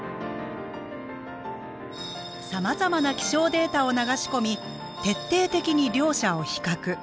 さまざまな気象データを流し込み徹底的に両者を比較。